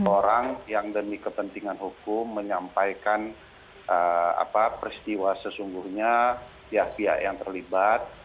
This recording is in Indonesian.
orang yang demi kepentingan hukum menyampaikan peristiwa sesungguhnya pihak pihak yang terlibat